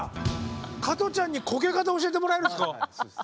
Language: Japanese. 加トちゃんにこけ方教えてもらえるんですか？